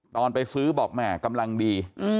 ตอนไปซื้อบอกแหม่กำลังดี